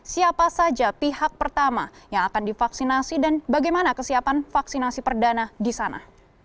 siapa saja pihak pertama yang akan divaksinasi dan bagaimana kesiapan vaksinasi perdana di sana